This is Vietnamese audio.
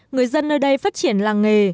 người dân nơi đây phát triển làng nghề